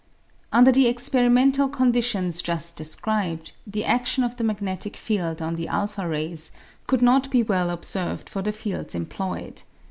Under the experimental conditions just described, the adion of the magnetic field on the a rays could not be well observed for the fields employed.